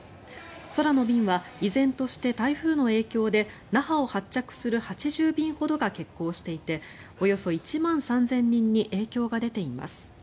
空の便は依然として台風の影響で那覇を発着する８０便ほどが欠航していておよそ１万３０００人に影響が出ています。